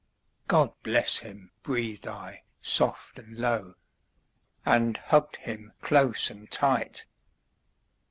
"God bless him," breathed I soft and low, And hugged him close and tight.